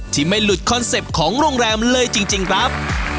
ที่ไม่หลุดคอนเซ็ปต์ของโรงแรมเลยจริงครับ